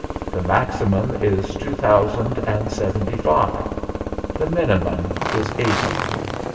The maxi mum is two thousand and seventy five ; the min imum is eighty.